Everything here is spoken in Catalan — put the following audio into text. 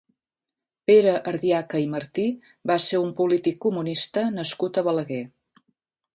Pere Ardiaca i Martí va ser un polític comunista nascut a Balaguer.